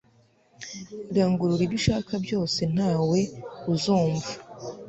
Rangurura ibyo ushaka byose Ntawe uzumva